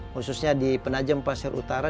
khususnya di penajam pasir utara